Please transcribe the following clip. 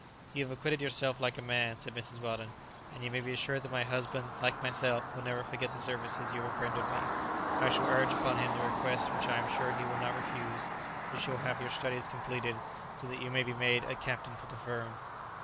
"You have acquitted yourself like a man," said Mrs. Weldon; "and you may be assured that my husband, like myself, will never forget the services you have rendered me. I shall urge upon him the request which I am sure he will not refuse, that you shall have your studies completed, so that you may be made a captain for the firm."